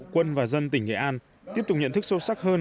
quân và dân tỉnh nghệ an tiếp tục nhận thức sâu sắc hơn